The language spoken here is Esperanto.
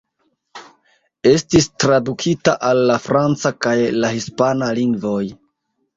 Estis tradukita al la franca kaj la hispana lingvoj.